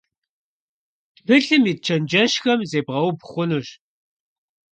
Тхылъым ит чэнджэщхэм зебгъэубгъу хъунущ.